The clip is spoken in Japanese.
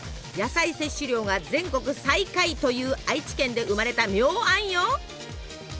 野菜摂取量が全国最下位という愛知県で生まれた妙案よ！